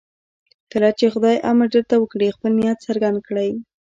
کله چې خدای امر درته وکړي خپل نیت څرګند کړئ.